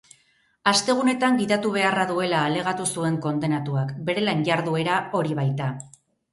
Astegunetan gidatu beharra duela alegatu zuen kondenatuak, bere lan-jarduera hori baita.